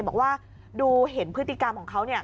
บอกว่าดูเห็นพฤติกรรมของเขาเนี่ย